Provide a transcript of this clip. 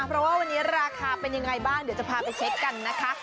เพราะว่าวันนี้ราคาเป็นยังไงบ้างเดี๋ยวจะพาไปเช็คกันนะคะ